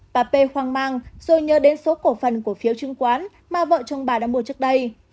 bà p hoang mang rồi nhớ đến số cổ phần cổ phiếu chứng khoán mà vợ chồng bà đã mua trước đây